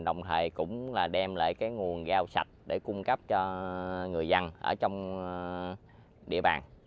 đồng thời cũng là đem lại cái nguồn giao sạch để cung cấp cho người dân ở trong địa bàn